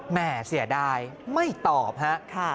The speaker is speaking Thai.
แม่เสียดายไม่ตอบฮะ